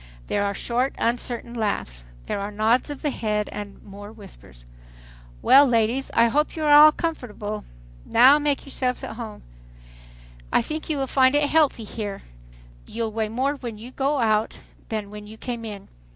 There are short, uncertain laughs. There are nods of the head and more whispers. "Well, ladies, I hope you are all comfortable. Now make yourselves at home here. I think you will find it healthy here. You'll weigh more when you go out than when you came in.